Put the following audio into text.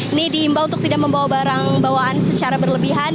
ini diimbau untuk tidak membawa barang bawaan secara berlebihan